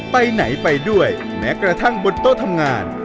ไปไหนไปด้วยแม้กระทั่งบนโต๊ะทำงาน